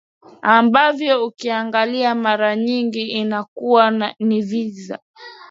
ambavyo ukiangalia mara nyingi inakuwa ni vita